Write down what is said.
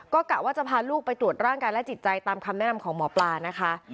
ก็กะว่าจะพาลูกไปตรวจร่างกายและจิตใจตามคำแนะนำของหมอปลานะคะ